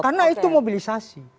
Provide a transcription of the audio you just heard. karena itu mobilisasi